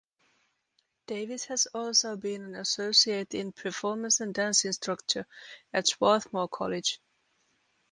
Davis has also been an associate in performance and dance instructor at Swarthmore College.